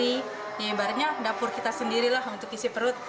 ini ibaratnya dapur kita sendirilah untuk isi perut